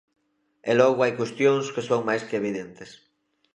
E logo hai cuestións que son máis que evidentes.